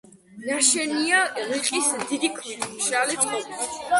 ნაშენია რიყის დიდი ქვით, მშრალი წყობით.